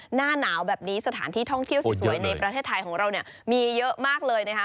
หน้าหนาวแบบนี้สถานที่ท่องเที่ยวสวยในประเทศไทยของเราเนี่ยมีเยอะมากเลยนะคะ